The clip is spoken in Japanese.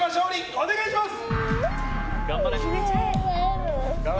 お願いします！